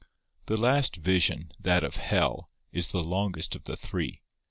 The last Vision, that of Hell, is the longest of the three.